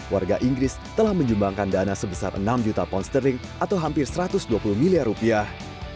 warga inggris telah menyumbangkan dana sebesar enam juta pound sterling atau hampir satu ratus dua puluh miliar rupiah